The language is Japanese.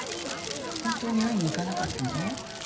本当に会いに行かなかったのね。